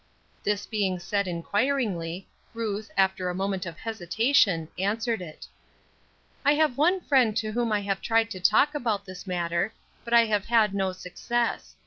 This being said inquiringly, Ruth, after a moment of hesitation, answered it: "I have one friend to whom I have tried to talk about this matter, but I have had no success.